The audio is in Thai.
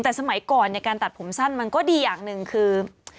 แต่สมัยก่อนในการตัดผมสั้นมันก็ดีอย่างหนึ่งคือ